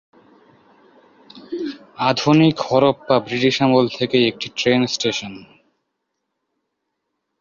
আধুনিক হরপ্পা ব্রিটিশ আমল থেকেই একটি ট্রেন স্টেশন।